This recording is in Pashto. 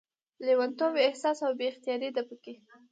لېونتوب، احساسات او بې اختياري ده پکې